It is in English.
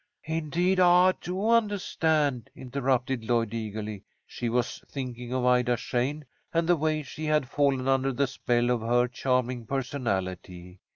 "Indeed I do undahstand," interrupted Lloyd, eagerly. She was thinking of Ida Shane, and the way she had fallen under the spell of her charming personality.